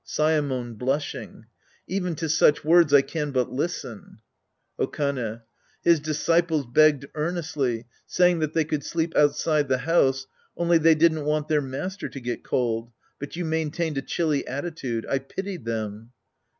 Saemon {blushing). Even to such words I can but listen. Okane. His disciples begged earnestly, saying that they could sleep outside the house, only they didn't want their master to get cold, but you main tained a chilly attitude. I pitied them.